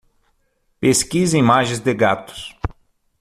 Pesquise imagens de gatos.